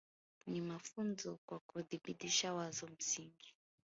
Ni mafunzo kwa kuthibitisha wazo msingi